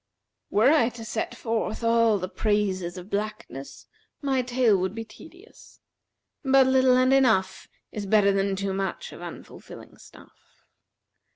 Were I to set forth all the praises of blackness, my tale would be tedious; but little and enough is better than too much of unfilling stuff.